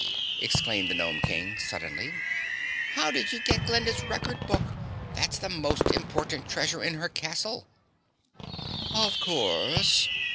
exclaimed the Gnome King suddenly, "How did you get Glinda's record book? That's the most important treasure in her castle!" "Of course!"